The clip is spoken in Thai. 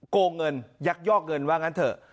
โกงเงินยักยอกเงินว่างั้นเถอะ